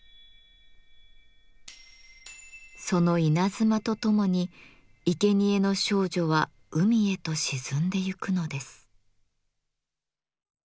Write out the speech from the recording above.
その稲妻とともにいけにえの少女は海へと沈んでゆくのです。